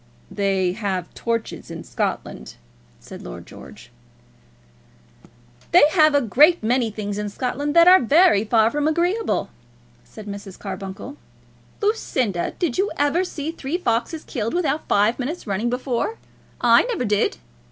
"They have torches in Scotland," said Lord George. "They have a great many things in Scotland that are very far from agreeable," said Mrs. Carbuncle. "Lucinda, did you ever see three foxes killed without five minutes' running, before? I never did."